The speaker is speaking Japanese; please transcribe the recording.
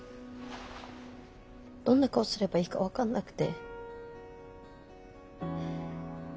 どんな顔すればいいか分かんなくて。